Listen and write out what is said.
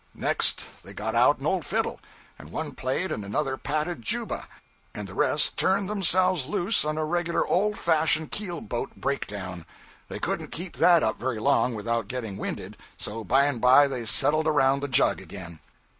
Next they got out an old fiddle, and one played and another patted juba, and the rest turned themselves loose on a regular old fashioned keel boat break down. They couldn't keep that up very long without getting winded, so by and by they settled around the jug again.